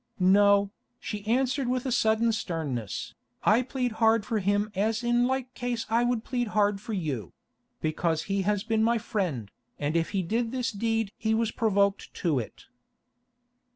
"No," she answered with a sudden sternness, "I plead hard for him as in like case I would plead hard for you—because he has been my friend, and if he did this deed he was provoked to it."